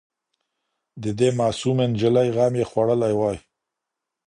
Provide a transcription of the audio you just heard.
د دې معصومي نجلۍ غم یې خوړلی وای